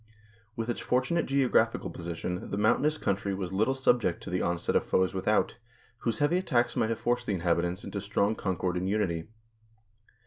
With its fortunate geo graphical position, the mountainous country was little subject to the onset of foes without, whose heavy attacks might have forced the inhabitants into strong concord and unity.